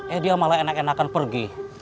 eh dia malah enak enakan pergi